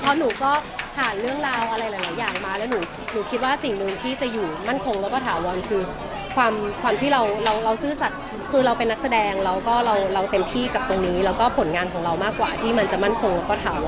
เพราะหนูก็ผ่านเรื่องราวอะไรหลายอย่างมาแล้วหนูคิดว่าสิ่งหนึ่งที่จะอยู่มั่นคงแล้วก็ถาวรคือความที่เราเราซื่อสัตว์คือเราเป็นนักแสดงแล้วก็เราเต็มที่กับตรงนี้แล้วก็ผลงานของเรามากกว่าที่มันจะมั่นคงแล้วก็ทำ